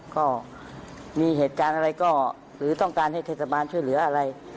ก็มีเหตุการณ์อะไรก็หรือต้องการให้เทศบาลช่วยเหลืออะไร